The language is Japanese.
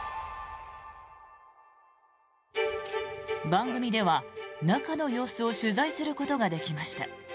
番組では中の様子を取材することができました。